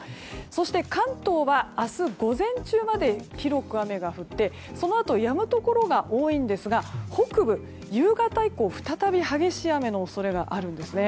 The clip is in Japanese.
そして、関東は明日午前中まで広く雨が降って、そのあとやむところが多いんですが北部、夕方以降、再び激しい雨の恐れがあるんです。